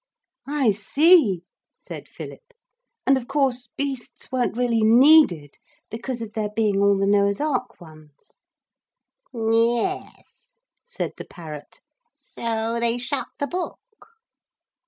'I see,' said Philip; 'and of course beasts weren't really needed, because of there being all the Noah's Ark ones.' 'Yes,' said the parrot, 'so they shut the book.'